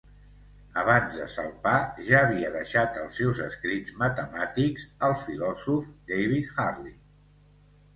Abans de salpar, ja havia deixat els seus escrits matemàtics al filòsof David Hartley.